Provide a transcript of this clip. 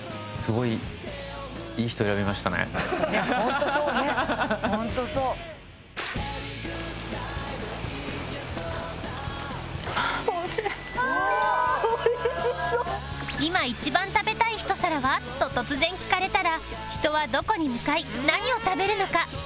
「いま一番食べたい一皿は？」と突然聞かれたら人はどこに向かい何を食べるのか？